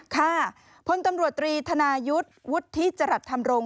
ค่ะพลตำรวจตรีธนายุทธ์วุฒิจรัสธรรมรงค